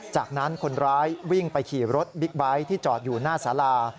จากนั้นคนร้ายวิ่งไปขี่รถบิ๊กไบท์ที่จอดอยู่หน้าสารา